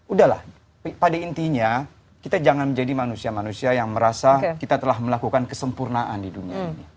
udahlah pada intinya kita jangan menjadi manusia manusia yang merasa kita telah melakukan kesempurnaan di dunia ini